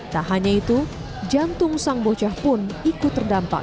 tak hanya itu jantung sang bocah pun ikut terdampak